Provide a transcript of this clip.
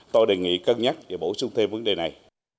tôi đề nghị cân nhắc để bổ sung thêm vấn đề này